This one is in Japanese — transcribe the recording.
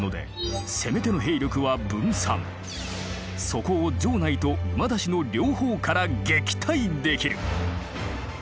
そこを城内と馬出しの両方から撃退できる！